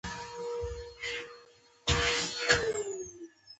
آیا شملې دارې پګړۍ د خانانو نښه نه ده؟